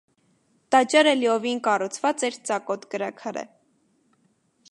Տաճարը լիովին կառուցուած էր ծակոտ կրաքարէ։